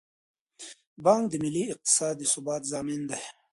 بانک د ملي اقتصاد د ثبات ضامن دی.